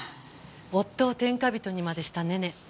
夫を天下人にまでしたねね。